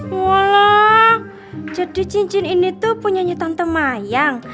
walah jadi cincin ini tuh punyanya tante mayang